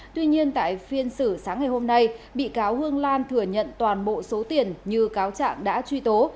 tuy nhiên tại phiên xử sáng ngày hôm nay bị cáo hương lan thừa nhận toàn bộ số tiền như cáo trạng đã truy tố